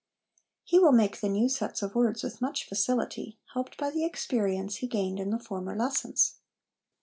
He will make the new sets of words with much facility, helped by the experience he gained in the former lessons.